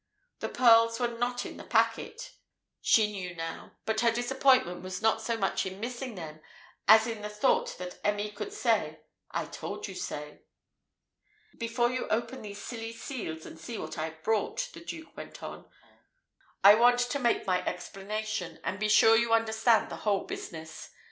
The pearls were not in the packet, she knew now, but her disappointment was not so much in missing them as in the thought that Emmy could say "I told you so!" "Before you open these silly seals, and see what I've brought," the Duke went on, "I want to make my explanation, and be sure you understand the whole business.